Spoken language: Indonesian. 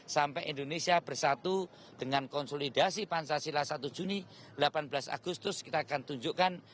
sampai indonesia bersatu dengan konsolidasi pancasila satu juni delapan belas agustus kita akan tunjukkan